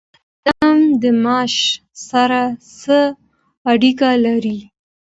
قدم د معاش سره څه اړیکه لري؟